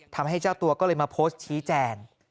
ทำให้เจ้าตัวก็เลยมาโพสต์ชี้แจง